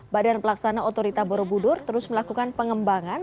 badan pelaksana otorita borobudur terus melakukan pengembangan